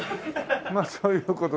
まあそういう事で。